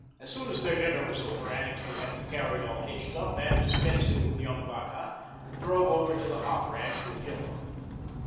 As soon as their dinner was over, Annixter had the carry all hitched up, and, dispensing with young Vacca, drove over to the hop ranch with Hilma.